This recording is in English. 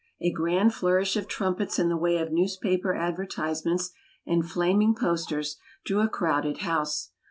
A grand flourish of trumpets in the way of newspaper advertisements and flaming posters drew a crowded house.